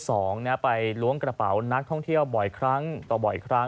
ผู้ชมไปล้วงกระเป๋านักท่องเที่ยวบ่อยแรก